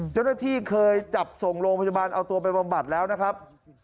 เจ้าหน้าที่เคยจับส่งโรงพยาบาลเอาตัวไปบำบัดแล้วนะครับ